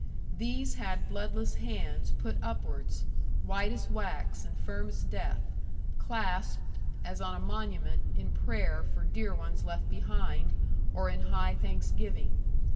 These had bloodless hands put upwards, white as wax, and firm as death, clasped (as on a monument) in prayer for dear ones left behind, or in high thanksgiving.